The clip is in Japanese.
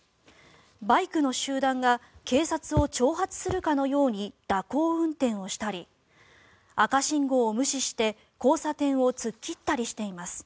バイクの集団が警察を挑発するかのように蛇行運転をしたり赤信号を無視して、交差点を突っ切ったりしています。